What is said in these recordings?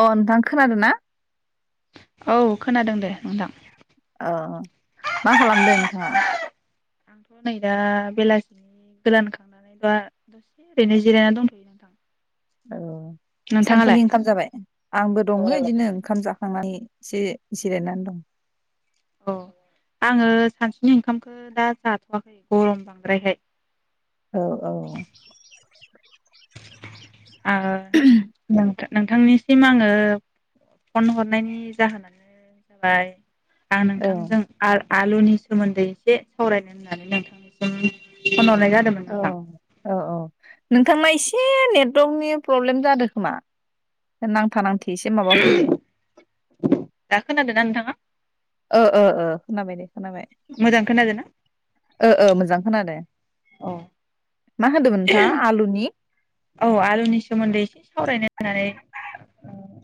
अ नोंथां खोनादों ना औ खोनादों दे नोंथां औ मा खालामदों नोंथाङा आंथ' नै दा बेलासिनि गोदान खांनानै दा दसे ओरैनो जिरायनानै दंथ'यो नोंथां औ नोंथाङालाय सानफुनि ओंखाम जाबाय आंबो दङो इदिनो ओंखाम जाखांनानै जि जिरायनानै दं औ आङो सानसुनि ओंखामखौ दा जाथ'वाखै गरम बांद्रायहाय औ औ [unintelligible] नोंथांनिसिम आङो फन हरनायनि जाहोनानो जाबाय। आं औ नोंथांजों आर आलुनि सोमोन्दै एसे सावरायनो होननानै नोंथांनिसिम फन हरनाय जादोंमोन औ नोंथां औ औ नोंथांना एसे नेटवर्कनि प्रब्लेम जादों खोमा नांथा नांथे दा खोनादोंना नोंथाङा ओ ओ ओ खोनाबाय दे खोनाबाय मोजां खोनादोंना ओ ओ मोजां खोनादों। औ मा होनदोंमोन नोंथाङा आलुनि औ आलुनि सोमोन्दै एसे सावरायनो [unintelligible]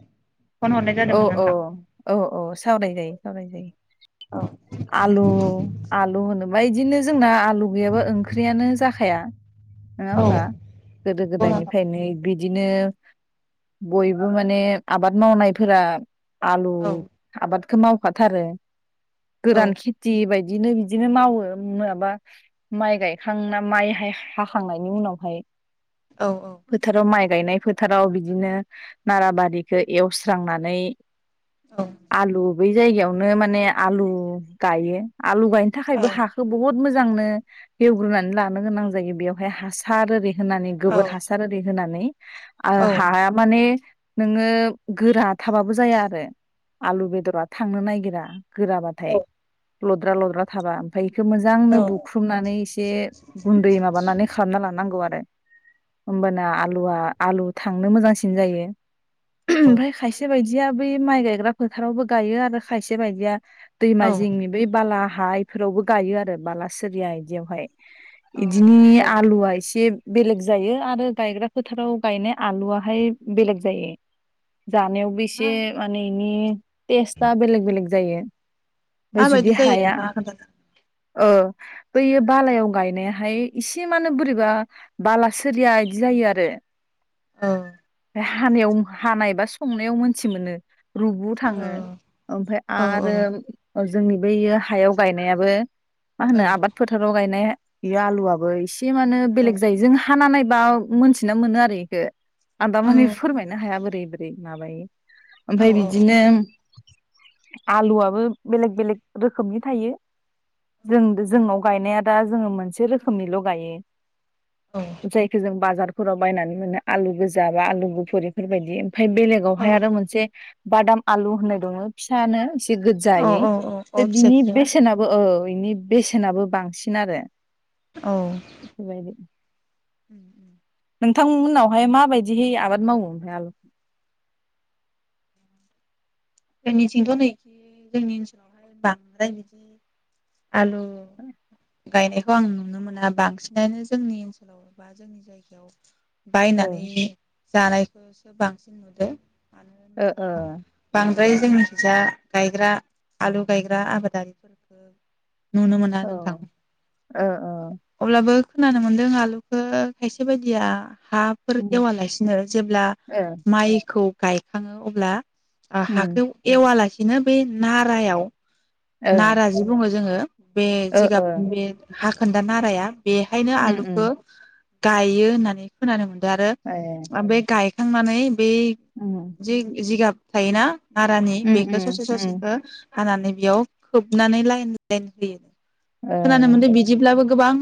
फन हरनाय औ जादोंमोन औ नोंथां। औ औ सावराय जायो सावराय जायो औ आलु आलु होनोबा इदिनो जोंना लुगैयाबा ओंख्रियानो जाखाया नङा औ होमबा गोदो नंगौ नोंथां। गोदायनिफ्रायनो बिदिनो बयबो माने आबाद मावनाय। फोरा आलु आबाद। खौ मावखाथारो। औ गोरान खेथि बाय दिनो बिदिनो मावो माबा माइ गायखांना माइ हाय- हाखांनायनि उनावहाय। औ फोथाराव माइक। गायनाय फोथाराव बिदिनो नारा बारिखौ ए स्रांनानै। औ आलु बै जायगायाव नो माने आलु गायो। आलु गायनो औ थाखायबो हाखौ बहुद मोजांनो एवग्रोननानै लानो गोनां जायो बेयावहाय हासार ओरै होनानै गोबोर हासार ओरै होनानै। आ औ हाया माने नोङो। गोरा थाबाबो जाया आरो आलु बेदरा थांनो नागिरा। गोराबाथाय। लद्रा लद्रा थाबा ओमफ्राय। बेखौ मोजांनो बुख्रुबनानै एसे गुन्दै माबानानै खालामना लानांगौ आरो। होमबाना आलुआ आलु थांनो मोजांसिन जायो। ओमफाय खायसे बायदि दिया बे माइ गायग्रा फोथारावबो गायो आरो खायसे बायदिया दैमा औ जिंनि बै बाला हा इफोरावबो गायो आरो बाला सेरिया इदियावहाय। इदिनि औ औ आलुआ एसे बेलेग जायो आरो गायग्रा फोथाराव गायनाय आलुआहाय बेलेग जायो। जानायावबो एसे मा माने इनि टेस्टआ बेलेग बेलेग जायो। ओमफ्राय जुदि माबायदि जायो हाया नोंथांआ खोनथानो ओ बैयो बालायाव गायनायाहाय इसे मानो बोरैबा बाला सोया बिदि जायो आरो। औ बे हानायाव हानाय बा संनायाव मोनथिमोनो। रुबु औ थाङो ओमफ्राय औ आरो जोंनि बैयो हायाव गायनायाबो मा होनो आबाद फोथाराव गायनायहा बे आलुआबो इस बि मानो बेलेग जायो जों हा खाना नायबा मोन्थिना मोनो आरो इखो आं दामारै फोरमायनो हाय बोरै बोरै माबायो। ओमफाय बिदिनो आलुआबो बेलेग बेलेग रोखोमनि थायो जों जोंनाव गायनाया दा जोङो मोनसे रोखोमनिल' गायो। जायखौ जों बाजार फोराव बायनानै मोनो आलु गोजा बा आलु गुफुर बेबादि ओमफाय बेलेगावहाय आरो मोनसे बादाम आलु होननाय दङ फिसानो औ गोजायै औ औ फिसा बिनि फिसाया बेसेनाबो ओ बेनि बेसेनाबो बांसिन आरो। बेबायदि। उम उम। नोंथांमोननावहाय माबायदिहै आबाद मावो ओमफ्राय? जोंनिथिंथ' नैखि जोंनि ओनसोलावहाय बांद्राय बिदि आलु गायनायखौ आं नुनो मोना बांसिनानो जोंनि ओनसोलाव बा जोंनि जायगायाव औ ओ बायनानै जानायखौसो बांसिन नुदो। ओ ओ। बांद्राय जोंनि खिजा गायग्रा आलु गायग्रा आबादारिफोरखो नुनो मोना नोंथां ओ ओ अब्लाबो खोनानो मोन्दों आलुखौ खायसे बायदिया हाफोर उम एवालासिनो जेब्ला ओ माइखौ गायखाङो अब्ला आ उम हाखौ एवालासि बिदिनो बै नारायाव ओ नाराजि बुङो जोङो बे ओ जिगाबनि बे हा खोन्दा नाराया बेहायनो उम उम आलुखो गायो होननानै खोनानो मोन दों आरो ए आ बे गाय खांनानै बे उम जि-जिगाब थायोना नारानि उम बेखौ उम ससे उम ससेखौ हानानै बेयाव खोबनानै लाइन लाइन होयो ओ खोनानो मोनदों बिदिब्लाबो गोबां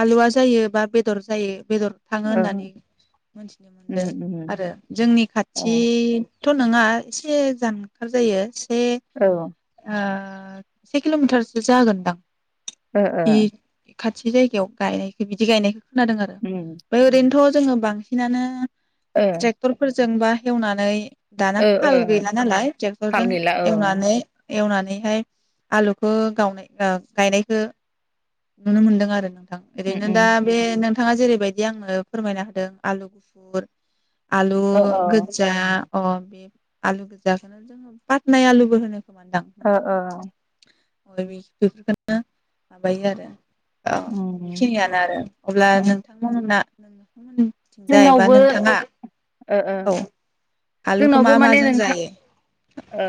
आलुवा जायो बा बेदर जायो बेदर थाङो ओ होननानै मोनथिनो मोनदों उम उम आरो ओ जोंनि खाथि थ' नोंङा एसे जानगार जायो से औ ओ से किल'मिटारसो जागोनदां ओ ओ इ खाथि जायगायाव गायनायखौ बिदि गायनाय खोनादों आरो ओफ्राय ओरैनोथ' जोङो बांसिनानो त्रेकथरफोर जोंबा हेवनानै दानाथ' हाल गैला नालाय ट्रेक्टरजों एवनानै एवनानैहाय आलुखौ गावनाय ओ गायनायखौ नुनो मोनदों आरो नों थां ओरैनो दा बे नो नोंथाङा जेरैबायदि आंनो फोरमायना होदों आलु गुफुर आलु गोज्जा अ बे आलु गोजाखौनो जोङो पातनाय आलुबो होनो [unintelligible] नोंथां बेफोरखौनो माबायो आरो औ बेखिनियानो आरो अब्ला नोंथांमोना [inaudible] बा जोंनावबो नोंथाङा ओ ओ औ आलुखौ मा जोंनावबो माने माजों नोंथां जायो ओ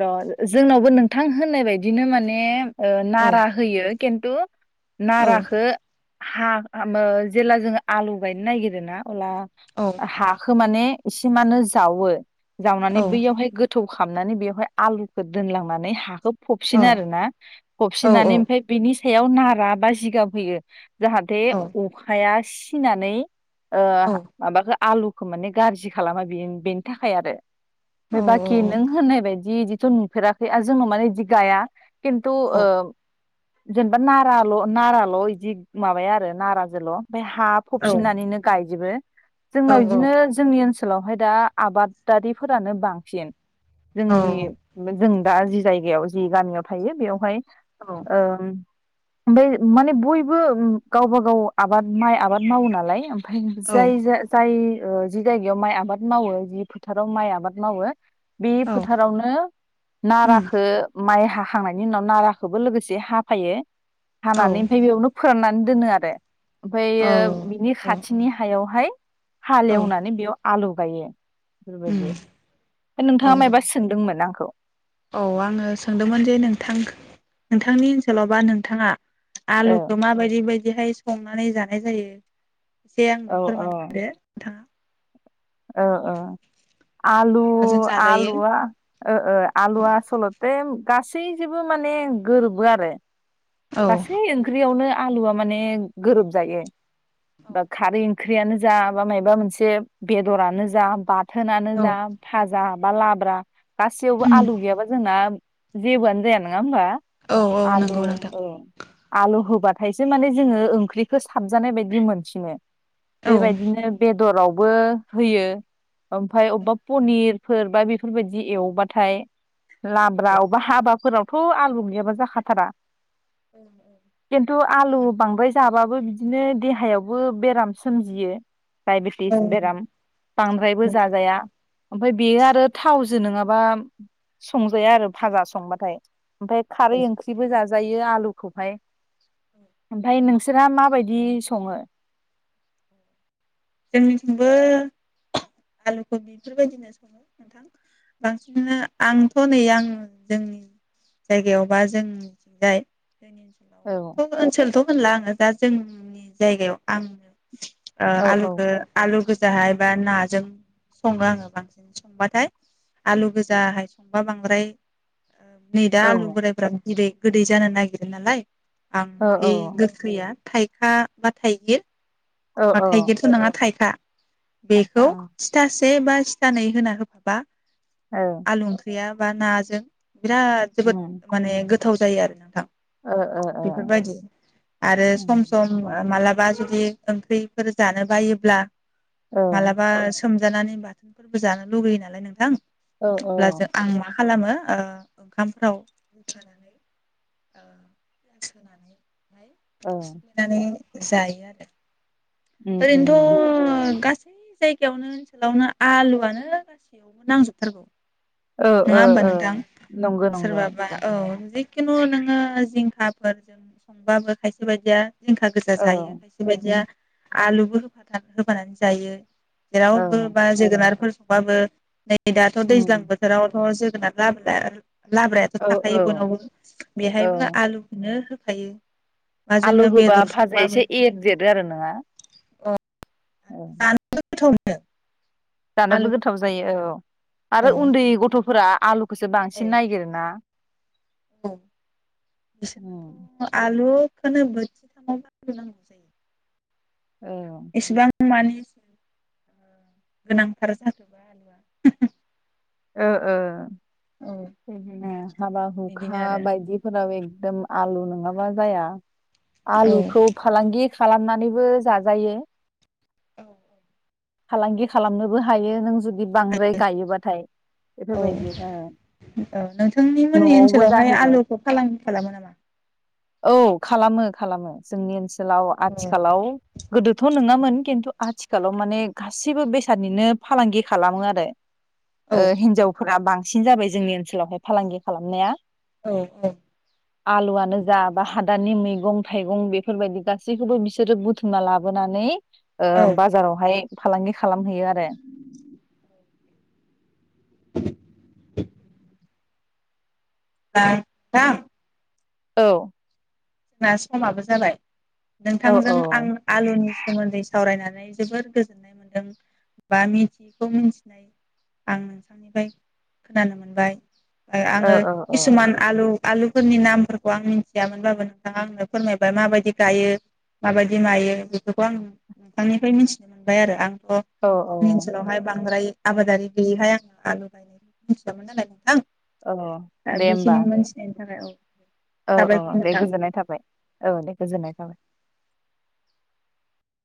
र' जोंनावबो नोंथां होननाय बायदिनो माने ओ औ नारा होयो केनथु औ नाराखो हा मो जेला जोङो आलु गायनो नागिरो ना अब्ला हाखौ माने एसे मानो जावो जावनानै बैयावहाय गो थौ खालामनानै बेवहाय आलुखौ दोनलांनानै हाखौ फबसिनो आरोना फबसिननानै ओमफ्राय बेनि सायाव नारा बा जिगाब होयो जाहाथे अखाया फसिनानै ओ माबाखौ आलुखौ माने गाज्रि खालामा बेयो बेनि थाखाय आरो। ओमफ्राय बाखि नों होननायबादि जि थ' नुफेराखै आरो जोंन' माने बिदि गाया किन्थु ओ जेनेबा नाराल'-नाराल' इदि माबाया आरो नाराजोल' ओमफ्राय हा औ फबसिननानैनो गायजोबो जोंनाव इदिनो जोंनि ओनसो लावहाय दा आबादारिफोरानो बांसिन औ जोंनि जों दा जि जायगायाव जि गामियाव थायो बेवहाय ओंम ओमफाय माने बयबो गावबा गाव आबाद माइ आबाद मावो नालाय। ओम फाय औ जाय जा जाय ओ जि जायगायाव माइ आबाद मावो। जि फोथाराव माइ आबाद मावो बि फोथारावनो उम नाराखो माइ हा हानायनि उनाव नाराखोबो लोगोसे हाफायो। औ हानानै ओमफाय बेयावनो फोराननानै दोनो आरो औ ओमफायो बिनि औ खाथिनि औ हायावहाय हाल एवनानै बेयाव आलु गायो। फोर उम बायदियाव। औ नोंथाङा मायबा सोंदों मोन आंखौ औ आङो सोंदोंमोन जे नोंथां नोंथांनि ओनसोलाव बा नोंथाङा औ आलुखौ माबायदि बाय बिदिहाय संनानै जानाय जायो। एसे आंनो औ फोरमायना होदो नोंथाङा। औ अ। आलु मा माजों जाजायो आलुवा ओ ओ औ आलुवा आस'ल'थे गासैजोंबो माने गोरोबो आरो औ गासै ओंख्रियावनो आलुआ माने गोरोबजायो। बा औ खारि इं ख्रियानो जा बा मायाबा मोनसे बेदरानो जा बाथ थोनानो जा भाजा बा लाब्रा गासैयावबो आलु गैयाबा जोंना जेबोआनो जाया नोङा होमबा। औ औ आलु नंगौ नोंथां। औ आलु होबाथायसो माने जोङो ओंख्रिखो साबजानाय बायदि मोनसिनो। औ बेबायदिनो बेदराव बो होयो। ओमफाय अबेबा पनिरफोर बा बेफोरबायदि एवबाथाय लाब्रा अबा हाबा फोरावथ' आलु गैयाबा जाखाथारा ओम खिन्थु आलु बांद्राय जाबाबो बिदिनो देहायावबो बेराम सोमजियो डायबेटिस बेराम बांद्रायबो जाजाया ओमफाय बेयो आरो थावजो नङाबा संजाया आरो भाजा संबाथाय ओमफाय औ खारै ओंख्रिबो जाजा आलुखौहाय ओमफाय नोंसोरा माबायदि सङो जोंनिथिंबो आलुखौ बेफोरबायदिनो सङो नोंथां बांसिनानो आंथ' नै आं जोंनि जायगायाव बा जोंनिथिंजाय औ [unintelligible] ओनसोलथ' होनला आङो दा जोंनि जायगायाव आंनो ओ औ आलु आलु गो गोजाहाय बा नाजों सङो आङो बांसिन संबाथाय आलु गोजाहाय संबा बांद्राय नै दा औ आलु बोरायफ्रा बिदै गोदै जानो नागिरो नालाय आं औ बे गोखैया थाइखा बा थाइगिर औ अ औ थाइगिरथ' नङा थाइखा बेखौ आतसा सिथासे से बा सिथानै होना होफाबा औ आलु ओंख्रिया बा नाजों बिराद जोबोद माने गो थाव जायो आरो नोंथां ओ ओ ओ बेफोरबायदि आरो उम सम सम मालाबा बा जुदि ओंख्रिफोर जानो बायोब्ला मालाबा सोमजानानै बाथोनफोरबो जानो लुगैयो नालाय नोंथां औ औ अब्ला जों आं मा खालामो ओ ओंखामफ्राव [unintelligible] औ सिफ्लेनानै जायो आरो उम उम ओरैनोथ' गा सै जायगायावनो ओनसोलावनो आलुआनो गासैयावबो नांजोबथारगौ। ओ नङा ओ होमबा ओ नोंथां नंगौ नंगौं। जिखिुनु नोङो जिंखाफोरजों संबाबो खायसे बायदिया जिंखा गोजा औ जायो खायसे बायदिया उम आलुबो होफाथानानै जायो। औ जेरावबो बा जोगोनारफोर बाबो दा नै दाथ' दैज्लां उम बोथोरावथ' जो लाब्राआरो लाब्रायाथ' औ थाखायो औ बनावबो बेहायबो औ आलुखौनो हो थायो। आलु होबा भाजाया एसे एरदेरो आरो नोङा। अ। औ जानो गोथाव मोनो। जानोबो आलुखौ गोथाव जायो औ। आरो औ उन्दै गथ'फोरा आलु खौसो औ बांसिन नायगिरो ना। औ उम बिसोनो आलु खोनो बोथिथामाव बाहायनो नांगौ जायो। एसेबां औ। मानि एसे गोनांथार [inaudible] ओ ओ। औ बिदिनो हाबा बिदिनो हुखा आरो बायदिफोराव दोम आलु नङाबा जाया। आलुखौ फालांगि खालामनानैबो जाजायो। औ। फालांगि खालामनोबो हायो नों जुदि बांद्राय गायोबाथाय ओ बेफोरबायदि ओ औ नोंथांनि मोननि न'आवबो ओनसोलावहाय जाहैबाय आलुखौ फालांगि खालामो नोमा? औ खालामो खालामो जोंनि ओनसोल सोलाव औ आथिखालाव गोदोथ' नोङा मोन खिन्थु आथिखालाव माने गासिबो बेसादनिनो फालांगि खालामो आरो ओ औ हिनजावफोरा बां सिन जाबाय जोंनि ओनसोलावहाय फालांगि खालामनाया औ आलुआनो जाबा हान दानि मैगं थाइगं बेफोरबायदि गासैखौबो बिसोरो बुथुमना लाबोनानै ओ औ बाजारावहाय फालांगि खालामहैयो आरो [inaudible] [unintelligible] औ जोंना समाबो जाबाय औ नोंथांजों औ आं आलुनि सोमोन्दै सावरायनानै जोबोर गोजोननाय मोनदों बा मिथियैखौ मिथिनाय आं नोंथांनिफ्राय खोनानो मोनबाय ओ औ आङो औ किसुमान आलु आलुफोरनि नामफोरखौ आं मिथियामोनबाबो नों नोंथाङा आंनो फोरमायबाय माबायदि गायो माबायदि मायो बेफोरखौ आं नोंथांनिफ्राय मिथिनो मोनबाय आरो आं औ जोंनि ओनसोलावहाय बांद्राय औ आबादारि गैयैहाय आं आलु गायनाय मिथियामोन नालाय नोंथां औ दा दे होमबा बेखिनि मोनथिनायनि थाखाय औ औ औ साबायखर दे नोंथां गोजोननाय थाबाय औ दे गोजोननाय थाबाय